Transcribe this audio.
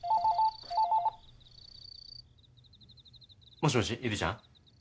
もしもしゆりちゃん？